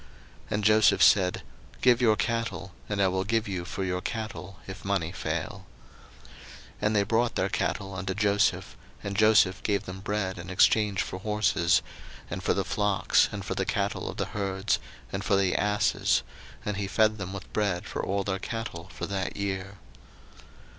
01:047:016 And Joseph said, Give your cattle; and I will give you for your cattle, if money fail. 01:047:017 And they brought their cattle unto Joseph: and Joseph gave them bread in exchange for horses, and for the flocks, and for the cattle of the herds, and for the asses: and he fed them with bread for all their cattle for that year.